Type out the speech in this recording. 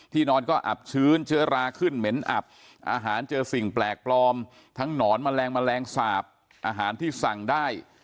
นอนก็อับชื้นเชื้อราขึ้นเหม็นอับอาหารเจอสิ่งแปลกปลอมทั้งหนอนแมลงแมลงสาปอาหารที่สั่งได้